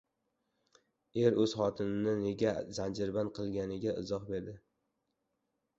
Er o‘z xotinini nega zanjirband qilganiga izoh berdi